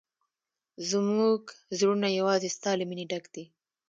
زموږ زړونه یوازې ستا له مینې ډک دي.